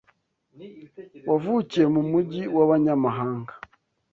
wavukiye mu mujyi w’Abanyamahanga